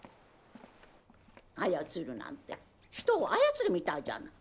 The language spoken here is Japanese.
アヤツルなんて人を「操る」みたいじゃない。